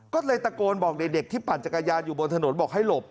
ก็เลยตะโกนบอกเด็กที่ปั่นจักรยานอยู่บนถนนบอกให้หลบ